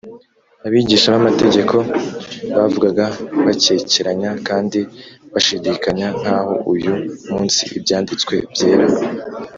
abigisha b’amategeko bavugaga bakekeranya kandi bashidikanya nk’aho uyu munsi ibyanditswe byera